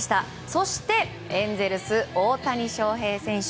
そして、エンゼルス大谷翔平選手。